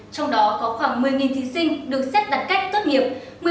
trong đó có khoảng một mươi thí sinh được xét đặt cách tốt nghiệp